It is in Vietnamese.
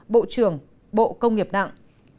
bộ trưởng bộ công nghiệp nặng